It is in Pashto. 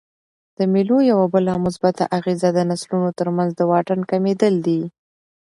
د مېلو یوه بله مثبته اغېزه د نسلونو ترمنځ د واټن کمېدل دي.